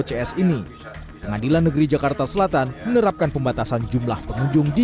cs ini pengadilan negeri jakarta selatan menerapkan pembatasan jumlah pengunjung di